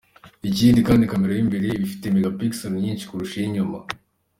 Ikindi kandi camera y’imbere iba ifite megapixels nyinshi kurusha iy’inyuma.